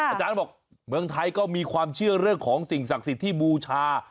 อาจารย์บอกเมืองไทยก็มีความเชื่อเรื่องของสิ่งศักดิ์สิทธิ์ที่บูชา